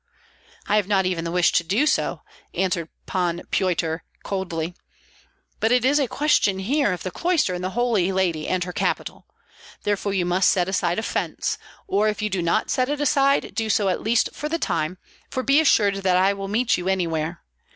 "I have not even the wish to do so," answered Pan Pyotr, coldly; "but it is a question here of the cloister and the Holy Lady and Her capital. Therefore you must set aside offence; or if you do not set it aside, do so at least for the time, for be assured that I will meet you anywhere.